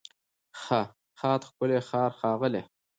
ښه، ښاد، ښکلی، ښار، ښاغلی